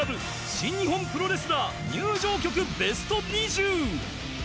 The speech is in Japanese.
新日本プロレスラー入場曲ベスト２０